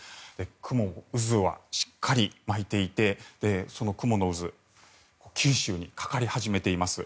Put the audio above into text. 雲の渦はしっかり巻いていて雲の渦九州にかかり始めています。